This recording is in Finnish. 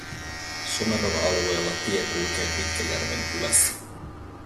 Someron alueella tie kulkee Pitkäjärven kylässä